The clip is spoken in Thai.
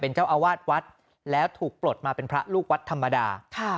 เจ้าอาวาสวัดแล้วถูกปลดมาเป็นพระลูกวัดธรรมดา